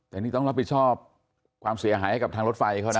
แต่นี่ต้องรับผิดชอบความเสียหายให้กับทางรถไฟเขานะ